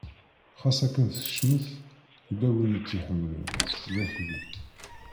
Ɣas akken tecmet yella win i tt-iḥemmlen, d Akli.